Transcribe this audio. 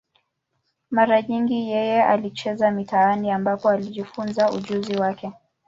Mara nyingi yeye alicheza mitaani, ambapo alijifunza ujuzi wake.